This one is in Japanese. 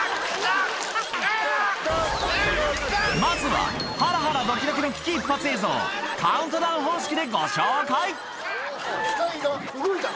まずはハラハラドキドキの危機一髪映像をカウントダウン方式でご紹介死体が動いた。